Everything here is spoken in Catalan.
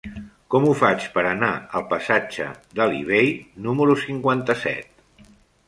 Com ho faig per anar al passatge d'Alí Bei número cinquanta-set?